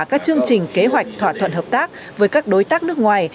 các chương trình kế hoạch thỏa thuận hợp tác với các đối tác nước ngoài